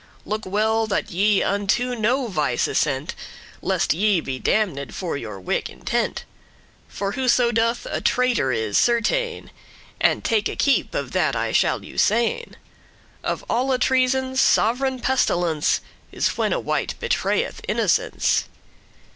Look well, that ye unto no vice assent, Lest ye be damned for your wick'* intent, *wicked, evil For whoso doth, a traitor is certain; And take keep* of that I shall you sayn; *heed Of alle treason, sov'reign pestilence Is when a wight betrayeth innocence.